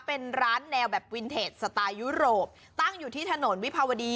เป็นร้านแนวแบบวินเทจสไตล์ยุโรปตั้งอยู่ที่ถนนวิภาวดี